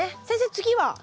先生次は？